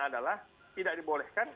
adalah tidak dibolehkan